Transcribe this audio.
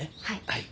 はい。